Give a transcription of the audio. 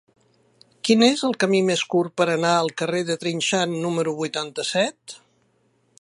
Quin és el camí més curt per anar al carrer de Trinxant número vuitanta-set?